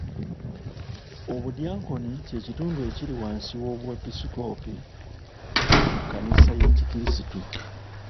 Obudyankoni kye kitundu ekiri wansi w'omwepisikoopi mu kkanisa y'ekikiristu.